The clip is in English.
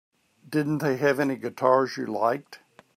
Didn't they have any guitars you liked?